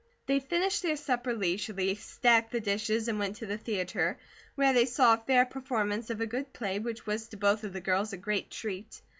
They finished their supper leisurely, stacked the dishes and went to the theatre, where they saw a fair performance of a good play, which was to both of the girls a great treat.